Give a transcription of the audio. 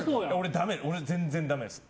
俺全然だめです。